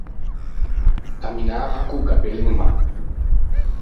Camminavan co-o cappello in man.